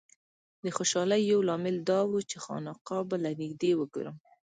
د خوشالۍ یو لامل دا و چې خانقاه به له نږدې وګورم.